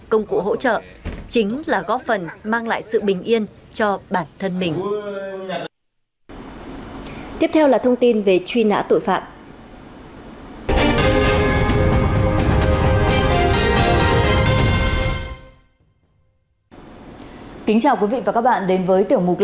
công tác phòng cháy chữa cháy trên địa bàn tp